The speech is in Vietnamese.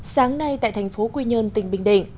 sáng nay tại thành phố quy nhơn tỉnh bình định